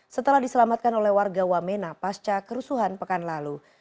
setelah diselamatkan oleh warga wamena pasca kerusuhan pekan lalu